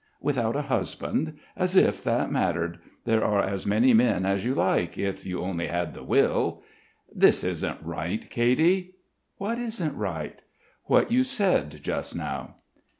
"Without a husband? As if that mattered. There are as many men as you like, if you only had the will." "This isn't right, Katy." "What isn't right?" "What you said just now."